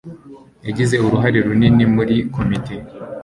Yagize uruhare runini muri komite.